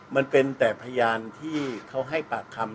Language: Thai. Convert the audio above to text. มันเป็นแต่พยานที่เขาให้ปากคำ